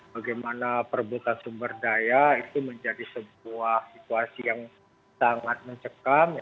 bagaimana perebutan sumber daya itu menjadi sebuah situasi yang sangat mencekam